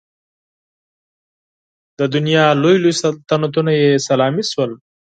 د دنیا لوی لوی سلطنتونه یې سلامي شول.